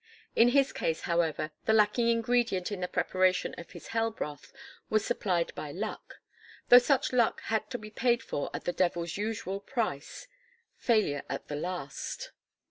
In his case however, the lacking ingredient in the preparation of his hell broth was supplied by luck; though such luck had to be paid for at the devil's usual price failure at the last.